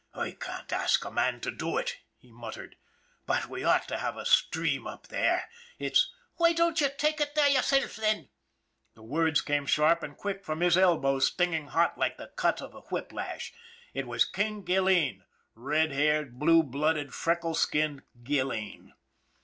" I can't ask a man to do it," he muttered ;" but we ought to have a stream up there, it's " "Why don't you take it there yourself, then?" the words came sharp and quick from his elbow, sting ing hot like the cut of a whip lash. It was " King " Gilleen, red haired, blue blooded, freckled skinned Gilleen.